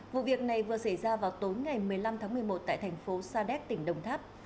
vụ việc này vừa xảy ra vào tối ngày một mươi năm tháng một mươi một tại thành phố sa đéc tỉnh đồng tháp